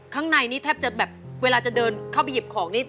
ข้างในนี้แทบจะแบบเวลาจะเดินเข้าไปหยิบของนี่